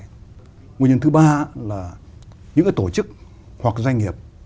nguyên nhân thứ ba là những cái tổ chức hoặc doanh nghiệp